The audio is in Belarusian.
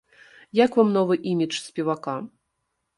Як вам новы імідж спевака?